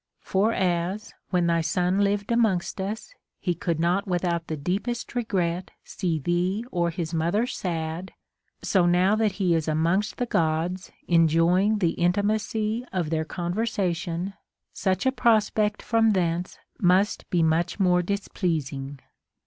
For as, when thy son lived amongst us, he could not Avithout the deepest regret see thee or his mother sad, so now that he is amonsrst the Gods enjoying the intimacy of their conversation, such a prospect from thence must be much more displeasing.